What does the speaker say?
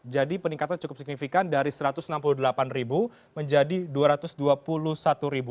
jadi peningkatan cukup signifikan dari rp satu ratus enam puluh delapan menjadi rp dua ratus dua puluh satu